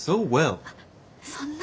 そんな。